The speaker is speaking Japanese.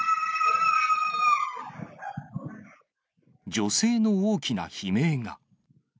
女性の大きな悲鳴が。